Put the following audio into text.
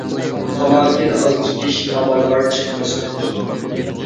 تاماكىنى ئاز چېكىش، ئامال بار چەكمەسلىك.